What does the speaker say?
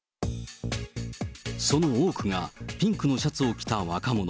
その多くが、ピンクのシャツを着た若者。